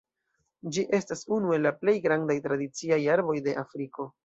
Ĝi estas unu el la plej grandaj tradiciaj urboj de Afriko.